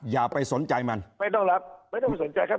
อย่าไปสนใจมันไม่ต้องรับไม่ต้องไปสนใจครับ